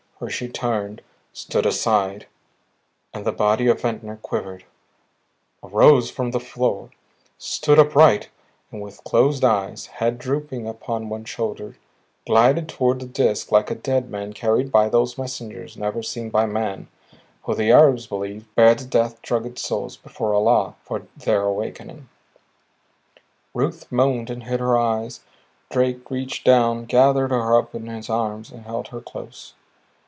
For she turned, stood aside and the body of Ventnor quivered, arose from the floor, stood upright and with closed eyes, head dropping upon one shoulder, glided toward the Disk like a dead man carried by those messengers never seen by man who, the Arabs believe, bear the death drugged souls before Allah for their awakening. Ruth moaned and hid her eyes; Drake reached down, gathered her up in his arms, held her close.